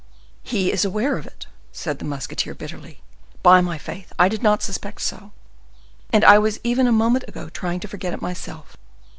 "He is aware of it!" said the musketeer bitterly. "By my faith! I did not suspect so, and I was even a moment ago trying to forget it myself."